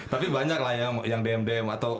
tapi banyak lah ya yang dm dm atau